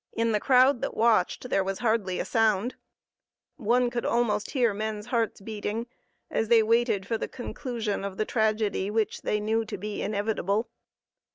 In the crowd that watched there was hardly a sound; one could almost hear men's hearts beating as they waited for the conclusion of the tragedy which they knew to be inevitable.